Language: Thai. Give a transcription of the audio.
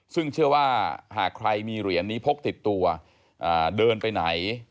ซึ่งเชื่อว่าหากใครมีเหรียญนี้พกติดตัวเดินไปไหน